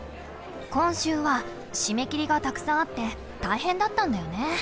今週は締め切りがたくさんあって大変だったんだよね。